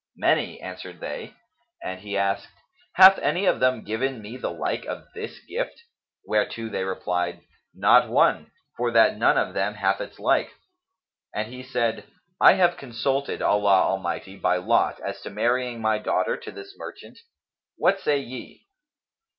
"Many," answered they; and he asked, "Hath any of them given me the like of this gift?"; whereto they replied, "Not one, for that none of them hath its like;" and he said, "I have consulted Allah Almighty by lot as to marrying my daughter to this merchant. What say ye?"